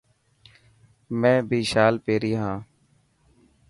مين بي شال پيري هان.